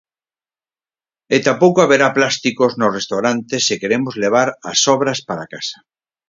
E tampouco haberá plásticos nos restaurantes se queremos levar as sobras para casa.